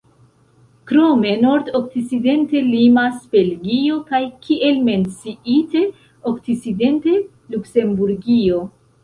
Krome nordokcidente limas Belgio, kaj, kiel menciite, okcidente Luksemburgio.